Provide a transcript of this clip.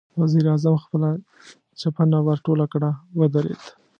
وزير اعظم خپله چپنه ورټوله کړه، ودرېد.